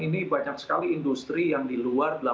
ini banyak sekali industri yang di luar